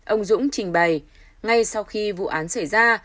ông dũng trình bày ngay sau khi vụ án xảy ra